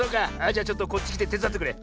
じゃちょっとこっちきててつだってくれ。